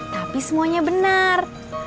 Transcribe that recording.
tapi semuanya benar